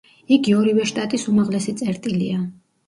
იგი ორივე შტატის უმაღლესი წერტილია.